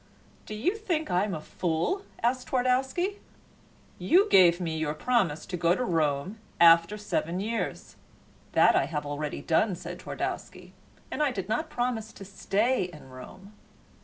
"Do you think I am a fool?" asked Twardowski. "You gave me your promise to go to Rome after seven years." "That I have already done," said Twardowski, "and I did not promise to stay in Rome."